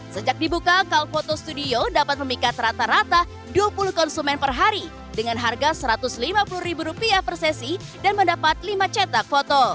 sejak dibuka kalphoto studio dapat memikat rata rata dua puluh konsumen per hari dengan harga rp satu ratus lima puluh per sesi dan mendapat lima cetak foto